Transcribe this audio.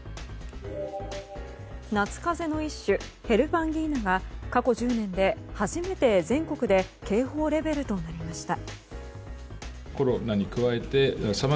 夏風邪の一種ヘルパンギーナが過去１０年で初めて全国で警報レベルとなりました。